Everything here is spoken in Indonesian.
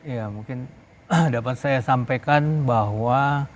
ya mungkin dapat saya sampaikan bahwa